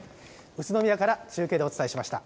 宇都宮から中継でお伝えしました。